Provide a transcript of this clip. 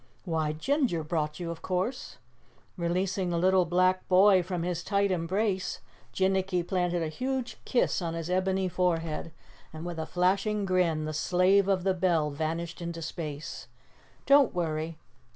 "Why, Ginger brought you, of course." Releasing the little black boy from his tight embrace, Jinnicky planted a huge kiss on his ebony forehead, and with a flashing grin the slave of the bell vanished into space. "Don't worry!